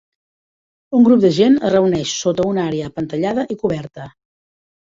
Un grup de gent es reuneix sota una àrea apantallada i coberta.